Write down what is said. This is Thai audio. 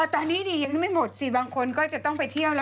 ตอนนี้ยังไม่หมดสิบางคนก็จะต้องไปเที่ยวแล้ว